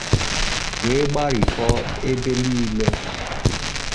wee gbarikọọ ebe niile